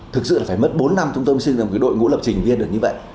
thực sự là phải mất bốn năm chúng tôi mới xây dựng một cái đội ngũ lập trình viên được như vậy